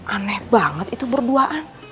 aneh banget itu berduaan